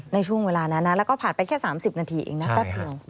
ในช่วงเวลานั้นแล้วก็ผ่านไปแค่๓๐นาทีแป๊บหนึ่ง